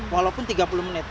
walaupun tiga puluh menit